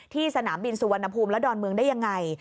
สนามบินสุวรรณภูมิและดอนเมืองได้ยังไง